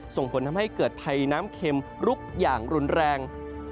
ส่งผลทำให้เกิดภัยน้ำเข็มลุกอย่างรุนแรง